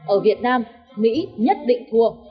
ở việt nam mỹ nhất định thua